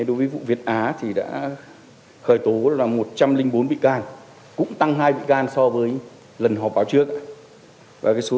đối với vụ việt á thì đã khởi tố là một trăm linh bốn bị can cũng tăng hai bị can so với lần họp báo trước